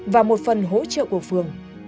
và một phần hỗ trợ của phường